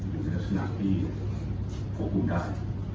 อยู่ในลักษณะที่ควบคุมได้